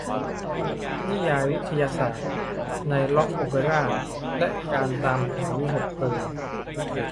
นิยายวิทยาศาสตร์ในร็อคโอเปร่า และการตามหาวิหคเพลิง